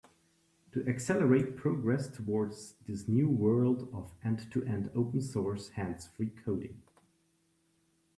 To accelerate progress towards this new world of end-to-end open source hands-free coding.